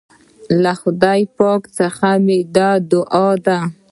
له خدای پاک څخه مي دا دعا ده